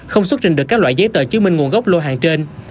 không xuất trình được các loại giấy tờ chứng minh nguồn gốc lô hàng trên